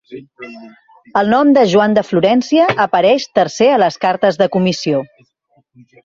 El nom de "Joan de Florència" apareix tercer a les cartes de comissió.